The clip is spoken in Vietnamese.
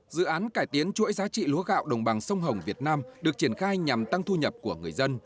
dự án cải tiến chuỗi giá trị lúa gạo đồng bằng sông hồng việt nam được triển khai nhằm tăng thu nhập của người dân